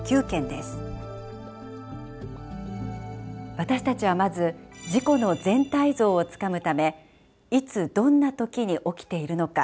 私たちはまず事故の全体像をつかむためいつどんな時に起きているのか。